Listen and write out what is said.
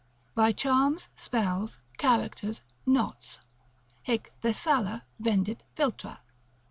by charms, spells, characters, knots.—hic Thessala vendit Philtra.